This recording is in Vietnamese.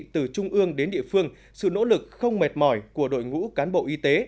từ trung ương đến địa phương sự nỗ lực không mệt mỏi của đội ngũ cán bộ y tế